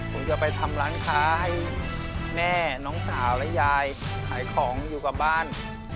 ผมจะไปทำร้านค้าให้แม่น้องสาวและยายขายของอยู่กับบ้าน